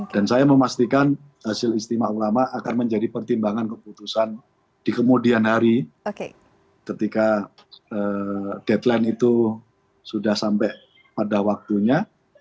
dan saya memastikan hasil ijtima ulama akan menjadi pertimbangan keputusan di kemudian hari ketika deadline itu sudah sampai pada waktunya